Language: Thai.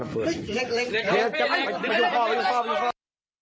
เอาเป็นเรือระเบิด